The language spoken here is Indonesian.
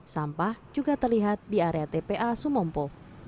sampah juga terlihat di area tpa sumompo